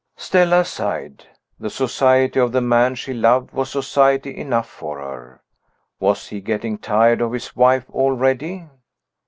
Stella sighed. The society of the man she loved was society enough for her. Was he getting tired of his wife already?